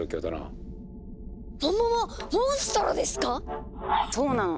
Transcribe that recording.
モモモモンストロですか⁉そうなの。